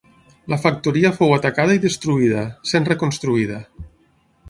La factoria fou atacada i destruïda, sent reconstruïda.